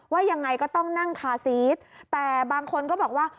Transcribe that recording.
ยังไงก็ต้องนั่งคาซีสแต่บางคนก็บอกว่า